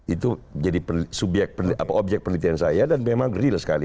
itu jadi objek penelitian saya dan memang real sekali